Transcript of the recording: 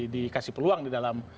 dikasih peluang di dalam